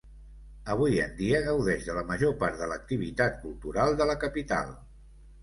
Avui en dia, gaudeix de la major part de l'activitat cultural de la capital.